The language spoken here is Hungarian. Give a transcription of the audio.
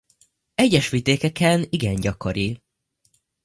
Egyes vidékeken igen gyakori.